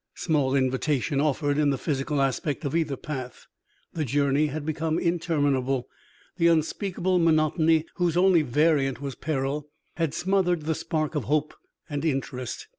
Small invitation offered in the physical aspect of either path. The journey had become interminable. The unspeakable monotony, whose only variant was peril, had smothered the spark of hope and interest.